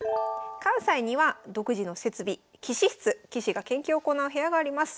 関西には独自の設備棋士室棋士が研究を行う部屋があります。